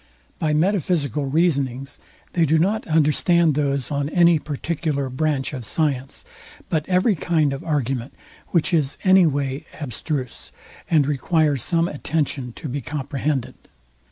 By metaphysical reasonings, they do not understand those on any particular branch of science, but every kind of argument, which is any way abstruse, and requires some attention to be comprehended.